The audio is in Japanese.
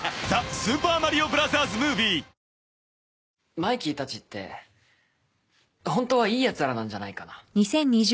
マイキーたちってホントはいいやつらなんじゃないかな？